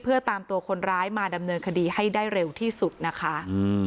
เพื่อตามตัวคนร้ายมาดำเนินคดีให้ได้เร็วที่สุดนะคะ